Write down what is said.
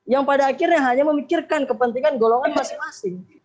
yang pada akhirnya hanya memikirkan kepentingan golongan masing masing